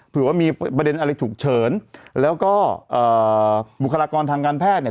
เผื่อว่ามีประเด็นอะไรฉุกเฉินแล้วก็เอ่อบุคลากรทางการแพทย์เนี่ย